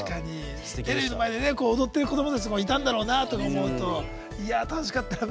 テレビの前で踊っている子どもたちもいたんだろうなと思うと楽しかった。